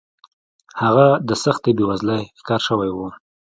هغه د سختې بېوزلۍ ښکار شوی و